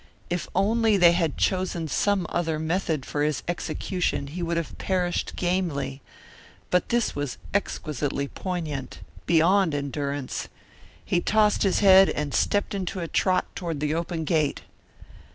If only they had chosen some other method for his execution he would have perished gamely, but this was exquisitely poignant beyond endurance. He tossed his head and stepped into a trot toward the open gate.